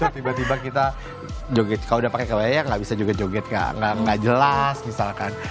tiba tiba kita joget kalau udah pakai kelea gak bisa juga joget nggak jelas misalkan